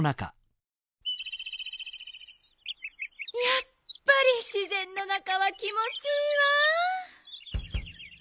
やっぱりしぜんの中は気もちいいわ！